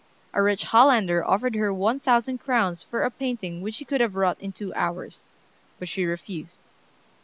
A rich Hollander offered her one thousand crowns for a painting which she could have wrought in two hours; but she refused.